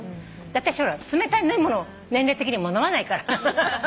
私冷たい飲み物年齢的にもう飲まないから。